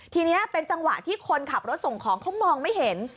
ทีนี้เป็นจังหวะที่คนขับรถส่งของเขามองไม่เห็น